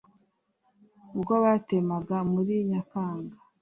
ubwo batemaga muri nyakanga